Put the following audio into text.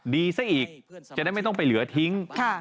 ดีซะอีกจะได้ไม่ต้องไปเหลือทิ้ง